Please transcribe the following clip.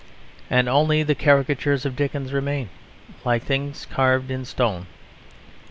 And only the caricatures of Dickens remain like things carved in stone.